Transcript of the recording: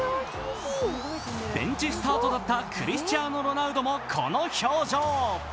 ベンチスタートだったクリスチアーノ・ロナウドもこの表情。